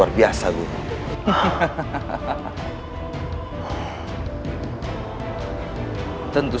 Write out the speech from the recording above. mas rasha tunggu